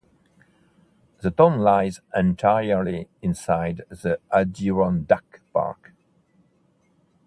The town lies entirely inside the Adirondack Park.